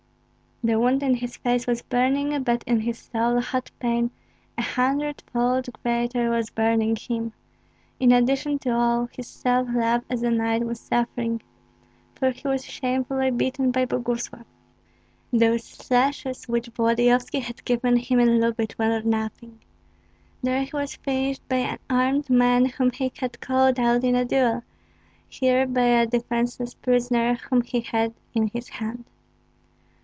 The wound in his face was burning, but in his soul hot pain, a hundred fold greater, was burning him. In addition to all, his self love as a knight was suffering. For he was shamefully beaten by Boguslav. Those slashes which Volodyovski had given him in Lyubich were nothing. There he was finished by an armed man whom he had called out in a duel, here by a defenceless prisoner whom he had in his hand.